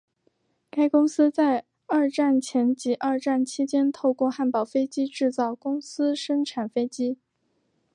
该公司在二战前及二战期间透过汉堡飞机制造公司生产飞机。